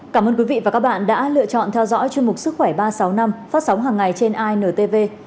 cảm ơn quý vị và các bạn đã lựa chọn theo dõi chương mục sức khỏe ba sáu năm phát sóng hàng ngày trên intv